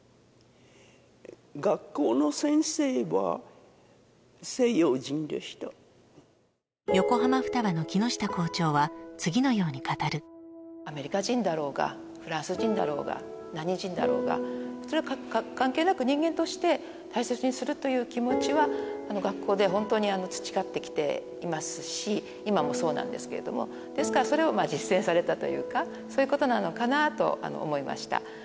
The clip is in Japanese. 学校の先生は西洋人でした横浜雙葉の木下校長は次のように語るアメリカ人だろうがフランス人だろうが何人だろうがそれは関係なく人間として大切にするという気持ちは学校でほんとに培ってきていますし今もそうなんですけれどもですからそれを実践されたというかそういうことなのかなと思いました